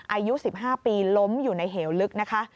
อายุ๑๕ปีล้มอยู่ในเหวลึกนะคะ